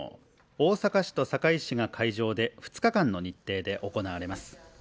大阪市と堺市が会場で、２日間の日程で行われます。